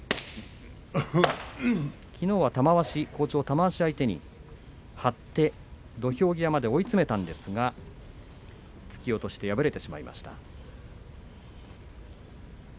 きのうは好調、玉鷲相手に張って土俵際まで追い詰めましたが突き落としで敗れてしまいました。